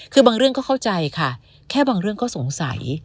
คือบางเรื่องก็เข้าใจค่ะแค่บางเรื่องก็สงสัย